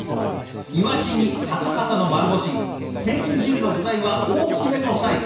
イワシにハタハタの丸干しけんちん汁の具材は大きめのサイズ。